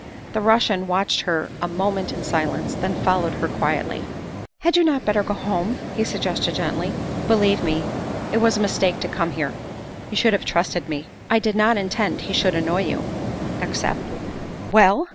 The Russian watched her a moment in silence, then followed her quietly. " Had you not better go home?" he suggested gently. '' Believe me, it was a mistake to come here. You should have trusted me. I did not intend he should annoy you, except " Well?"